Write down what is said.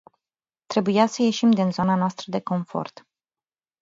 Trebuia să ieșim din zona noastră de confort.